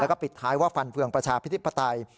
แล้วก็ปิดท้ายว่าฟันเฟืองประชาธิปไตย